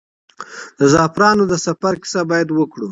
د زعفرانو د سفر کیسه باید وکړو.